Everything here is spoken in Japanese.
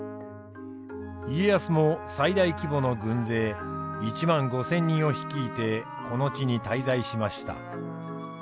家康も最大規模の軍勢１万５，０００人を率いてこの地に滞在しました。